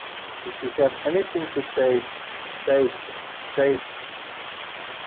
If you have anything to say, say it, say it.